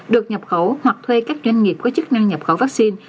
được nhập khẩu hoặc thuê các doanh nghiệp có chức năng nhập khẩu vaccine